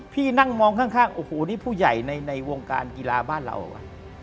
พี่นั่งมองข้างโอ้โหนี่ผู้ใหญ่ในวงการกีฬาบ้านเราว่ะ